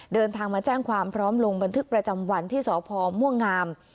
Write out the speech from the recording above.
เดินทางมาแจ้งความพร้อมลงบันทึกประจำวันที่สพม่วงงาม